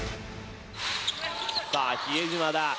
さあ比江島だ。